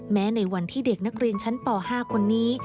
ในวันที่เด็กนักเรียนชั้นป๕คนนี้